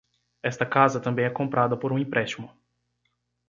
Esta casa também é comprada por um empréstimo.